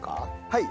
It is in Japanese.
はい。